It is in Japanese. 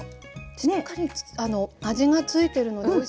しっかり味がついてるのでおいしい。